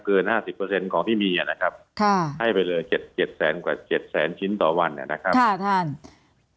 ๕๐ของที่มีนะครับให้ไปเลย๗๗แสนกว่า๗แสนชิ้นต่อวันนะครับท่าน